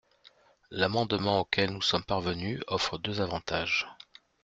L’amendement auquel nous sommes parvenus offre deux avantages.